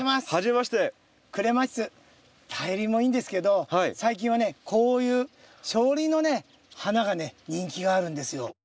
クレマチス大輪もいいんですけど最近はねこういう小輪のね花がね人気があるんですよ。